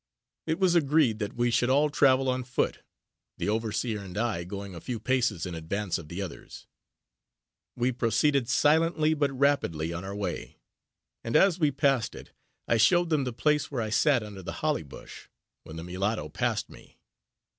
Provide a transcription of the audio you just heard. It was agreed that we should all travel on foot, the overseer and I going a few paces in advance of the others. We proceeded silently, but rapidly, on our way; and as we passed it, I showed them the place where I sat under the holly bush, when the mulatto passed me.